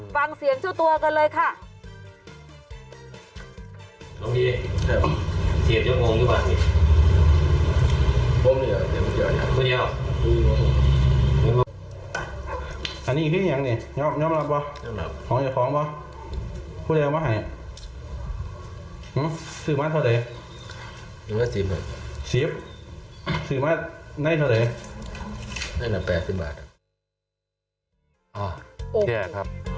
ฟังเสียงเจ้าตัวกันเลยค่ะ